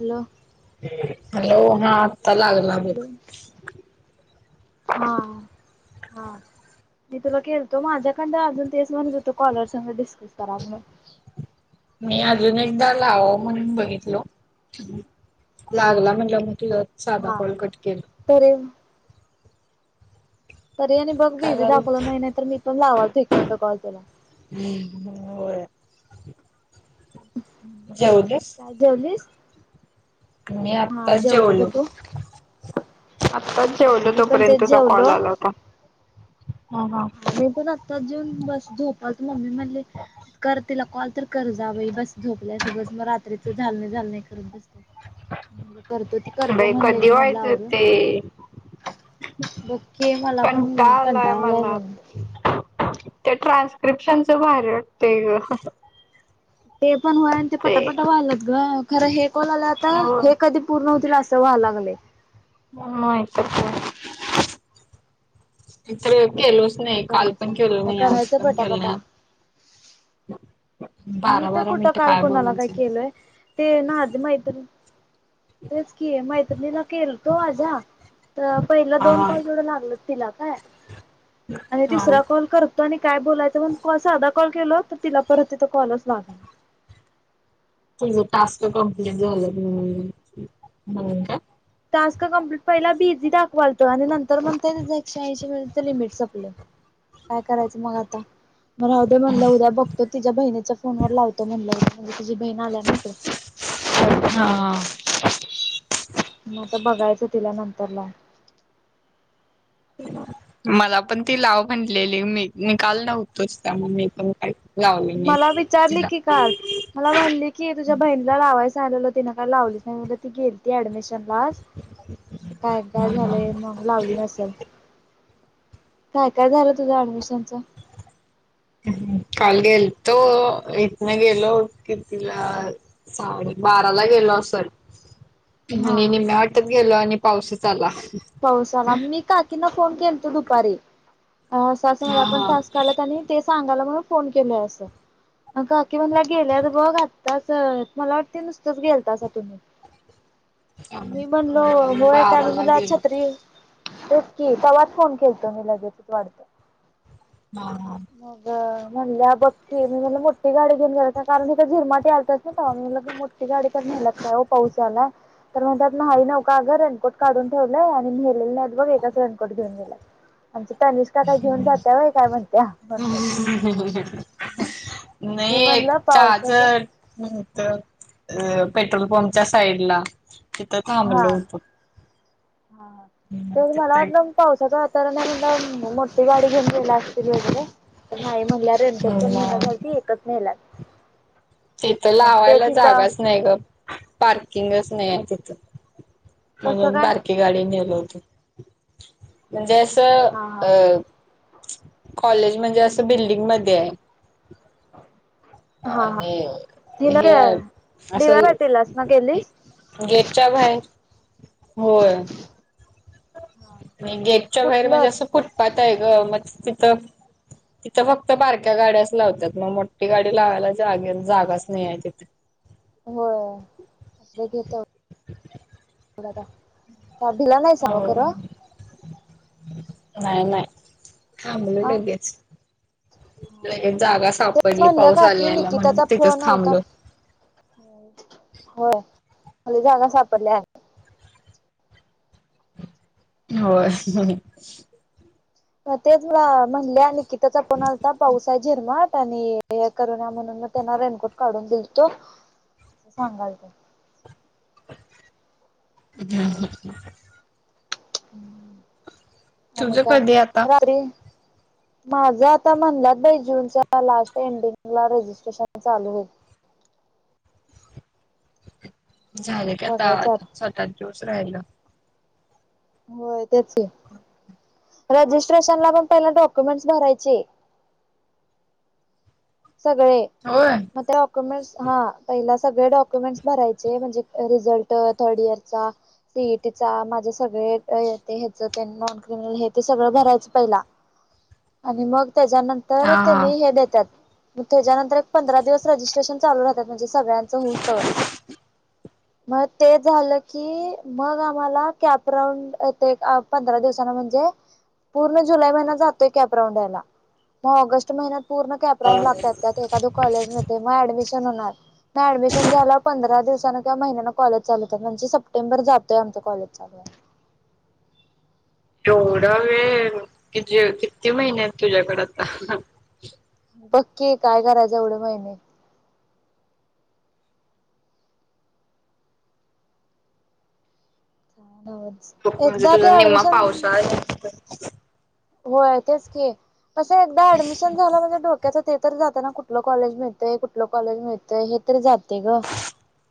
Hello hello हा आता लागला ब हॅलो हा हा मी तुला खळतो माझ्याकड अजून तेच म्हणत होतो कॉलरस दिस ततराण मी अजून एकदा लाव म्हणून बघितल लागला म्हटलं मग तु साधा हा कोॉल कट केेल तरी तरी आणि बघ काय बीझी दाखवलं नाही तर मी पण लावाल तो एककड कॉल तुला हम्म हो काय जवलीस मी आत्ताच जेवलो आत्ताच हा जेवलं मी पण तेच तोपर्यंतचा जेवलो कॉल आला होता ह ह तेऊन बस झोपालत मम्मी म्हणले कर तिला कॉल तर कर जाव बस झोकल्यासबज मग रात्रीच झालणे झालणे करत बसत म्हणलं करतो ती करतो बाई कधी म्हणलेली म्हणल व्हायचं आवरून ते बके मला पण म कंटाळा आलाय घंटालाय मला ते ट्रान्स्क्रिप्शनच बाहेर वाटतेय ग ते पण होय आणि ते पटापट वा्हालंत ग खरं हे कोण आलं आता हो हे कधी पूर्ण होतील असं व्हाला लागले ह इथ गेलोच काय नाही काल करायचं पण केेल आता नाही आज करायचं पण केलं पटापटा नाही आ मी तर कुठं काल कोणाला काय केलय ते ना आज माहीत तेच कि मैत्रिणीला केलतो आजा तर पहिला हा दोन कॉल थोडं लागल तिला काय आणि हा तिसरा कोल करतो आणि काय बोलायचं मण असं अधा कॉल केल तर तिला परत तिथ कॉलच लागला तुझं टास्क कमप्लीट झालं म्हणून का टास्क कंप्लीट पहिला बिझी दाखवालत आणि नंतर म्हणतंय त्याचं एकशे ऐंशी मिनिटचं लिमिट संपलंय. काय करायचं मग आता म हद म्हटलं उद्या बघतो तिच्या्या बहिणीच्या फोन वर लावतो म्हणलं तुझी बहीण आल्या ना इकडे लावतो म्हणजे हा म आता बघायचं तिला नंतरला मला पण ती लाव म्हटलेली मी निकाल नव्हतोच त्यामुळे मी पण का मला विचारली की काल मला म्हणले की तुझ्या बहिणीला लावायच त काय लावलीच नाही त गेडमिश काय काय झाले मग लावली नसेल काय काय झालं तुझ्या ऍडमिशनच काल गेलतो इथन गेलो कि तिला सले बाराला गेलो असेल हा आणि निम् वाटत गेल आणि पावसच आला पाऊसाला मी काकीना फोन केल तो दुपारी अस असं हा मला पण टस् आलात आणि ते सांगायला म फोन केलय अस अ काकी म्हणला गेल्यावर ब घातताच मला वाटते नुसतच गेलतासा तुम्ही हा मी म्हणलो होय का बाराला मुला गेलो अचछ तेचकीि तवाच फोन खेळतो मी लगेचच वाढतो ह मग म्हणल्या बघकी मी म्हण मोठी गाडी घेऊन गय कारण त झिरमाट आलताच ना ग मोठी गाडी पाला तरण त्या ह न का अग रेनकोट काढून ठेवलंय आणि ने नाही बघ एकाच रनकोट घेन गेला व्हय काय म्हणत्या म्हणतात. ह मी नाही म्हणलं पावसाचा चजत अ पेट्रोल पंपच्या साईड ला तिथं थांबल हा होत हा ह तर मला वाटलं पावसाचं वातावरणला मोठी गडी घेऊन गयला असतील वगैरे नाही म्हणल्या रेणकोट पण मग निेती एकच नेला तिथं लावायला हिथं जागाच नाही ग पार्किंगच नाही आहे तिथं कसं म्हणून काय बारकी गाडी नेल होती म्हणजे हा हा अ कॉलेज म्हणजे असं बिल्डिंग मध्ये आहे हा आणि तिनं गे हे डी वाय असं पाटीललाच ना गेलीस गेटच्या बाहे होय हा आणि गेटच्या बाहेर कुठलं म्हणजे असं फुटपाथ आहे ग म तिथं तिथं फक्त बारक्या गाड्याच लावतात मग मोठी गाडी लावायला जागे जागाच नाही आहे तिथे हो आपल्या घेतात. [inaudible] भिला नाहीस का सांग हो खर नाही नाही थांबलो लगेच हा लगेच जागा तेच सापडली म्हटल पाऊस काकी आलेला म्हणून निकिताचा तिथंच फोन आलता. थांबलो. हो हो मला जागा सापडले हाय हो तेच म्हटलं निकिताचा फोन आलता पावसात त्यांनी हे करू नाही म्हणून मी त्यांना रेनकोट काढून दिले कस सांगायच [inaudible] आणि तुझं कधी आता? काय माझ आता म्हणलात बाई जूनच्या लास्ट एंडिंगला रजिस्ट्रेशन चालू होईल. [inaudible] झाले का आता स्वतच दिवस राहिलं हो तेच हो रजिस्ट्रेशन मधून त्यांनी डॉक्युमेंट्स भरायचे हो होय सगळेच डॉक्युमेंट भरायचे आहे सगळ्या डॉक्युमेंट्स भरायचे म्हणजे रिझल्ट थर्ड इयर चा सीईटीचा माझ्यासगळ्या ये ते ह्याच हे ते सगळं भरायचं पहिला आणि मग त्याच्यानंतर हा त्यांनी हा. हे देतात. म त्याच्यानंतर एक पंधरा दिवस रजिस्ट्रेशन चालू राहतात म्हणजे सगळ्यांच होऊस तवर [inaudible] मग ते झाल की मग आम्हाला कॅपरांड येत पंधरा दिवसांचा म्हणजे पूर्ण जुलै महिना जातो य कॅपराऊंड व्हायला म ऑगस्ट महिन्यात पूर्ण कॅपरांउड लागतात त्यात एखाद कॉलेजमधे म ऍड शन होणार म ऍडमिशन झाल्यावर पंधरा दिवसांनं किंवा महिन्यानं कॉलेज चालू होतात म्हणजे सप्टेंबर जातोयं आमचं कॉलेज चालू आहे. [inaudible] एवढा वेळ अजुन किती महिने आहेत तुझ्याकडे आता बघ की काय करायचं एवढे महिने खूप म्हणजे एकदा तुझा ते निम्मा ऍडमिशन पावसात होय तेच की असं एकदा ऍडमिशन झालं म्हणजे डोक्यात हो ते तर त्यांना कुठलं कॉलेज मिळतय कुठलं कॉलेज मिळतय हे तरी जातील ग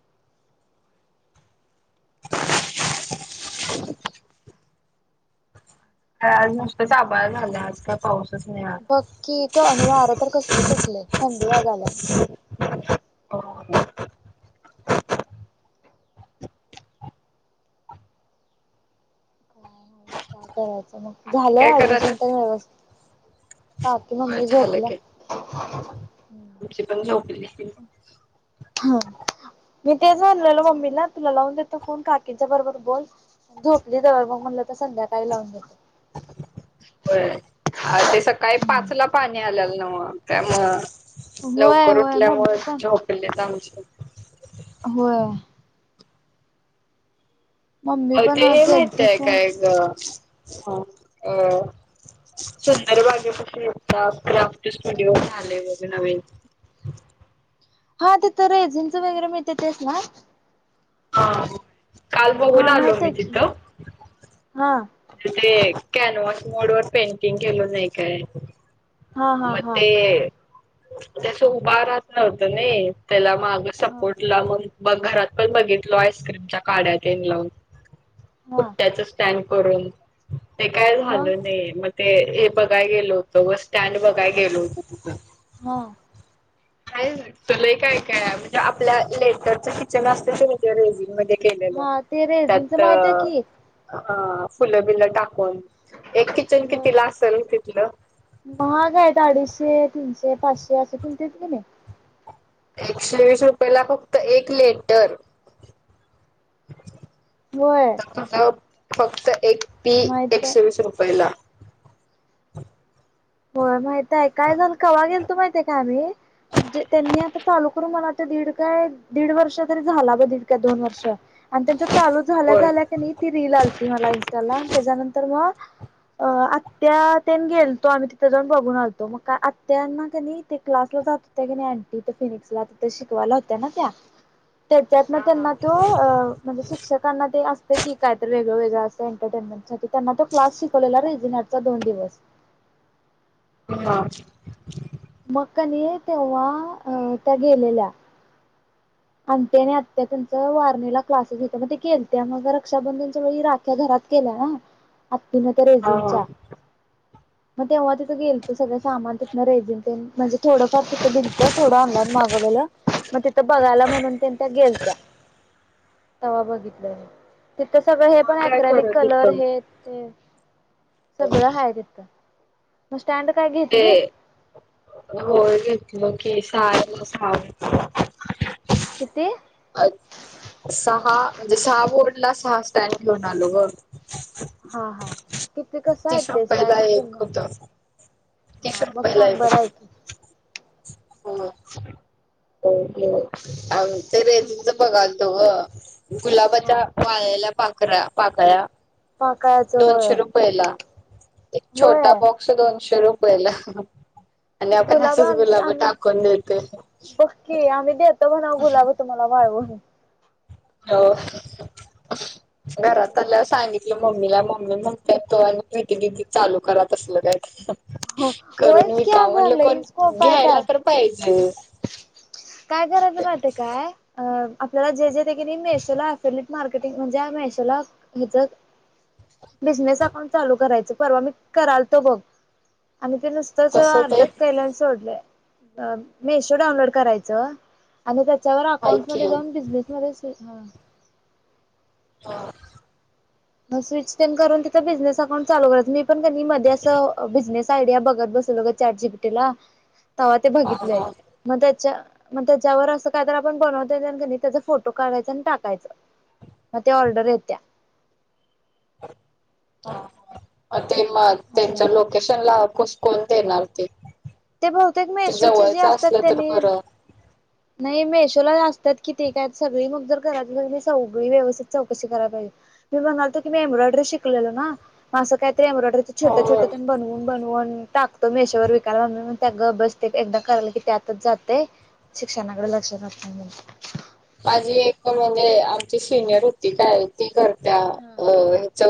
[inaudible] [inaudible] आज नुसतच आभाळ आलय पाऊस काही नाही बघ की आणि वारं तर कसले सुटले थंडी वाजाल्या [unintelligible] हो काय करायचं मग बाकी काय झालं ऍडमिशन करायल्यास? तर व्यवस्थित काकी होय मम्मी झालं झोपल्या की तुमची पण झोपली असतील. हा मी तेच म्हटलं मम्मीला तुला लावून देते फोन काकी बरोबर बोल झोपली जाऊन होयं हा ते सकाळी पाचला पाणी आलेलं नव्ह हो काय म होय लवकर होय मम्मी उठल्यामुळ पण झोपले जाऊनं होय. मम्मी पण ते हे माहित केलती आहे फोन काय ग अ सुंदर बाग कसे असतात [inaudible] हा ते लेझीम वगैरे मिळते तेच ना हा काल बघून आलो मी तिथं हां ते कॅनवस मोड वर पेंटिंग केल जाय काय हा हा मग हा ते ते अस उभा राहत नव्हतं ना त्याला माग हा सपोर्ट लावून मग घरात पण बघितलो आस्क्रीमच्या काड्या तेन लावून हा पुट्याच स्टॅड करून ते काय झाल मग नही म ते हे बघाय गेल होतं व स्टँड बघाय गेलो होतो तिथं हा हाय तिथं लई काय काय म्हणजे आपल्या लेटरच किचन असत ते रेजिंग मध्ये केलेलं हा ते रेझिनच त्यात माहित आहे की अ फुलं बिल टा कुण एक किचन होय कितीला असल तिथलं महाग आहेत अडीचशे तीनशे पाचशे अस तुण ते की नाय एकशे वीस रुपयेला फक्त एक लेटर होय आता तुझा फक्त एक पी माहित एकशे आहे वीस रुपयला [inaudible] होय माहित आहे. काय झाल कावा गेल तो माहितय काय आम्ही म्हणजे त्यांनी आता चालू करून मला वाटतय दीड काय दीड वर्ष तरी झाला. दीड का दोन वर्ष आणि त्यांच चालू झाल्या होय. झाल्या क नी ती रील आलती मला इन्स्टा ला त्याच्यानंतर म अ आत्या तेन गेलतो आम्ही ति त बघून आलतो म का आत्ता ना कनय ते क्लासला जात होत्या की नाय आँटी फिनिक्सला तिथं शिकवा यला होत्या ना त्या त्याच्यातन त्यांना तो अ म्हणजे शिक्षकांना ते अस की कायतर वेगळं वेगळ असं एंटरटेनमेंटसाठी त्यां तो क्लास शिकवलेला रेजिन्आर्ट चा दोन दिवस [unintelligible] मकनी तेव्हा अ त्या गेलेल्या आंटी आणि आत्या त्यांच वारनेला क्लासेस होतं मग ते केलत्या मग रक्षाबंधनच्या वेळी राख्या घरात केल्या ना आत्तीन त्या हा रेजींनंच्या मग तेव्हा तिथं गेल तर सगळ सामान तितन रेजिनंच म्हणजे थोडं तिथं दीलत थोडं ऑनलाईन मागवलेल मग तिथं बघायला म्हणून त्यांनं त्या गेलत्या. तवा बघितलंय मी तिथं सगळं हे मग पण काय अक्रॅलिक करत कलर इथं हे ते सगळं हाय तिथं [inaudible] ते घेतलीस होय घेतलं ते स [unintelligible] [inaudible] किती? अ सहा म्हणजे सहा बोर्डला सहा स्टँड घेऊन आलो ग हा हा किती कसं आहे तसा ते पहिला स्टँडची एक किंमत होत. तीस हा मग रुपयेला सांग एक बरं आहे की होतं हो [unintelligible] अ ते रेजिनच बघालतो ग गुलाबाच्या हा वाळळेल्या पाकऱ्या पाकळ्या पाकाळाचं दोनशे होय रुपयेला. एक होय छोटा बॉक्स दोनशे रुपयेला. आणि आपण गुलाब असंच आमची आम्ही टाकून देतोय. बघ की आम्ही देतो म्हणाव गुलाब तुम्हाला वाळ हो हो हो घरात ल्या सांगितलं मम्मीला मम्मी म्हणताेत तो आणि प्रीती दिदी चालू करां तसलं काय हो करून होयच की विका म्हणलं अगं कोण लई स्कोप आहे घ्यायला त्यात तर पाहिजे. काय करायचं माहितेय काय? अ आपल्याला जे जे ते किनी मेशोला अफिलट मार्केटिंग म्हणजे मेशोला हेच बिझनेस अकाउंट चालू करायच परवा मी कराल तो बघ आणि ते नुसतंच कसं ते अर्ध्यात केलंय आणि सोडलंय मेशो डाउनलोड करायचं आणि त्याच्यावर हाय अकाउंट् म की जाऊन बिझनेस मधे हा. हो. स्विच पेन करून तिचा बिझनेस अकाउंट चालू करायच. मी पण कधी मध्ये अस बिनेस आयडिया बघत बसल चाटजीपीटीला तेव्हा ते हा बघितलंय हा मग त्याच्या मग त्याच्यावर असं काय तर आपण बनवता त्याचा फोटो काढायचा आणि टाकायच. मग ते ऑर्डर येत्या. ते मग त्यांच्या असं लोकेशन ला कुसकन देणार ते ते बहुतेक मेशोची जी जवळच असतात असलं तर त्यांनी बरं. नाही मेशोला असतात कि ते काय सगळी मग जर घरात सगळी सगळी व्यवस्थित चौकशी कराला पाहिजे. मी म्हणालतो की मी एम्ब्रॉयडरी शिकलेलो ना म असं काय ते एम्ब्रॉयडरी छोटे हो. छोटं बनवून बनून टाक तो मेशोवर विकाला मम्मी म्हणत्या गप्प बस एकदा कराला की त्यातच जातय. शिक्षणाकडे लक्ष नसल्यामुळ माझी एक म्हणजे आमची सिनियर होती काय ती करत्या हा. अ ह्याच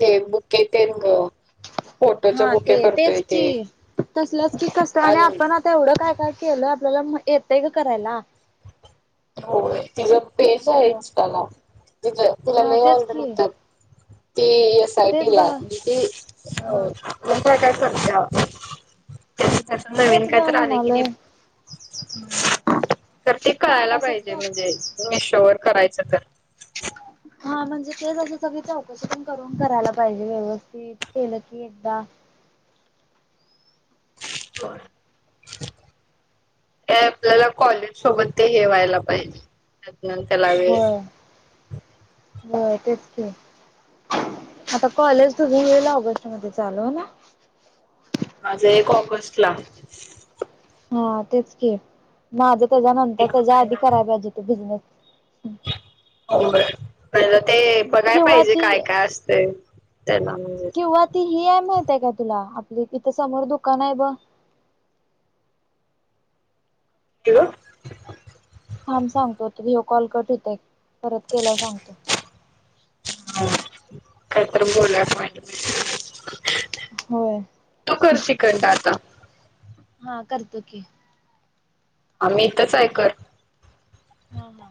ते बुकेे तेन ग फोटोच हा बुके ते करतोय तेच ते. की. तसलंच की कस आणि आपण आता एवढं काय काय केलं आपल्याला येतय ग करायला. हो तिझ पेज आहे इंस्टा ला. तिला हा लई तेच ओर्डर की येतात. ती एस तेच ग आयटीला आहे. [inaudible] हा काय करत्या? त्याच नवीन तेच काय ग तर आले की म्हणालोय नाही, तर ते कळायला असंच पाहिजे की म्हणजे मशो वर करायच तर. हा म्हणजे तेचं सगळी चौकशी पण करून करायला पाहिजे. व्यवस्थित केलं की एकदा कर. ते आपल्याला कॉलेज सोबत ते हे व्हायला पाहिजे. [unintelligible] हो तेच की. आता कॉलेज तु घ येईल ऑगस्ट मध्ये चालू ना. माझा एक ऑगस्ट ला. हा तेच के माझं त्याच्यानंतर एक त्याच्या आधी महिना करायला पाहिजे ते बिझनेस ते बघाय किंवा पाहिजे काय ती काय असते? किंवा ती ही आहे माहिती का तुला आपली इथं समोर दुकान आहे बघ. हॅलो. थांब सांगतो तुझा कॉल कट होतय परत केल्यावर सांगतो. [inaudible] होय. तू कर तिकडनं आता हा करतो की. आ्म्ही इथच आहे कर. हा ना.